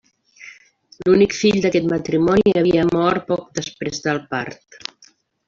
L'únic fill d'aquest matrimoni havia mort poc després del part.